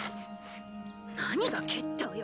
何が決闘よ